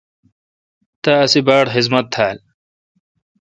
تا اسی باڑ خذمت تھال۔